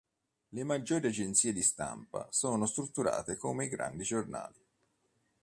Le maggiori agenzie di stampa sono strutturate come i grandi giornali.